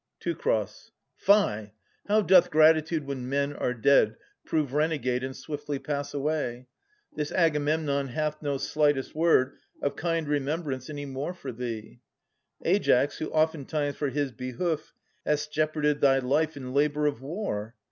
Teu. Fie ! How doth gratitude when men are dead Prove renegade and swiftly pass away ! This Agamemnon hath no slightest word Of kind remembrance any more for thee, Aias, who oftentimes for his behoof Hast jeoparded thy life in labour of war.